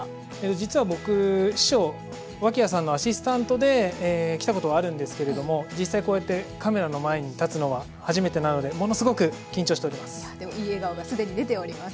実は僕師匠脇屋さんのアシスタントで来たことはあるんですけれども実際こうやってカメラの前に立つのは初めてなのでものすごく緊張しております。